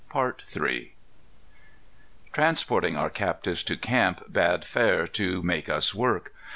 III Transporting our captives to camp bade fair to make us work.